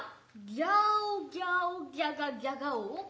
ギャオギャオギャガギャガオ？」。